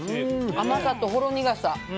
甘さとほろ苦さ。